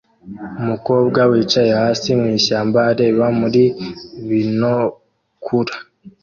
Umukobwa wicaye hasi mwishyamba areba muri binokula